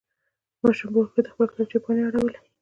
ماشوم په کور کې د خپلې کتابچې پاڼې اړولې.